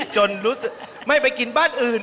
จนรู้สึกไม่ไปกินบ้านอื่น